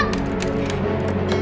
mama entar husim